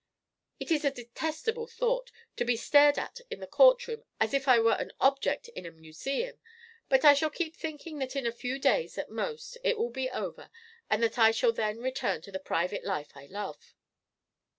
It is a detestable thought, to be stared at in the courtroom as if I were an object in a museum, but I shall keep thinking that in a few days at most it will be over and that I shall then return to the private life I love."